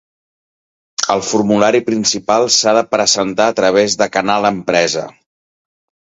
El formulari principal s'ha de presentar a través de Canal Empresa.